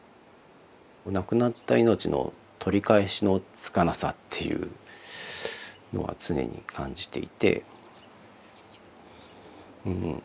亡くなった命の取り返しのつかなさっていうのは常に感じていて。